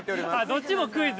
◆どっちもクイズ？